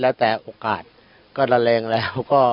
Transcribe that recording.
แล้วแต่โอกาสก็ระเลงแล้วก็